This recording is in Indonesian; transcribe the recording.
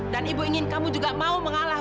dan ibu ingin kamu juga mau mengalah